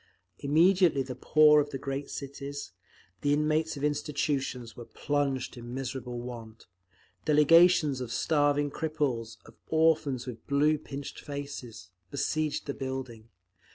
Immediately the poor of the great cities, the inmates of institutions, were plunged in miserable want: delegations of starving cripples, of orphans with blue, pinched faces, besieged the building.